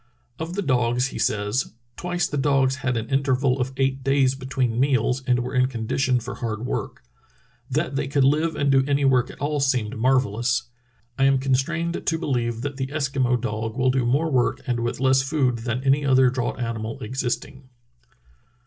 Of the dogs he says: "Twice the dogs had an interval oT eight days between meals and were in condition for hard work. That they could Hve and do any work at all seemed marvellous. I am constrained to believe that the Eskimo dog will do more work, and with less food, than any other draught animal existing."